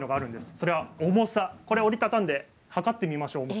それは重さ折り畳んで量ってみましょうか。